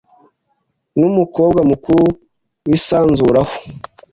n’umukobwa mukuru wisanzuraho.